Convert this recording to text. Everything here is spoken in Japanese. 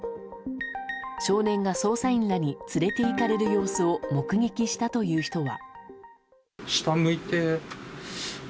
少年が捜査員らに連れていかれる様子を目撃したという人は。